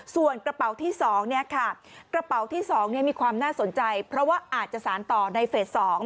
ส่วนกระเป๋าที่๒กระเป๋าที่๒มีความน่าสนใจเพราะว่าอาจจะสารต่อในเฟส๒